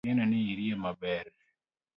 Ageno ni iriyo maber